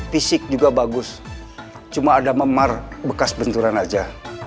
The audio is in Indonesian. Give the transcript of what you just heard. fisik juga bagus cuma ada memar bekas benturan aja